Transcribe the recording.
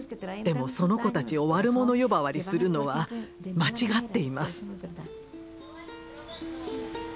でもその子たちを悪者呼ばわりするのは間違っています。